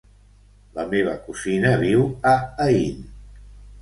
La meva cosina viu a Aín.